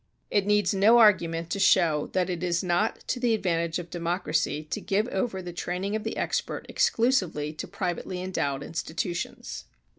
It needs no argument to show that it is not to the advantage of democracy to give over the training of the expert exclusively to privately endowed institutions.